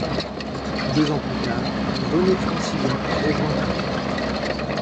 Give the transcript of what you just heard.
Deux ans plus tard, René Francillon rejoint Paris.